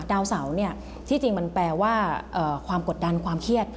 ดาวเสาเนี่ยที่จริงมันแปลว่าความกดดันความเครียด